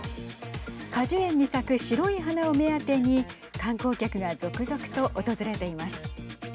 果樹園に咲く白い花を目当てに観光客が続々と訪れています。